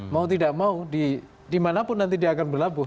mau tidak mau dimanapun nanti dia akan berlabuh